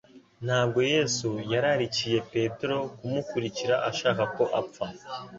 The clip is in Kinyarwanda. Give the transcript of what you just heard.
Ntabwo Yesu yararikiye Petero kumukurikira ashaka ko apfa;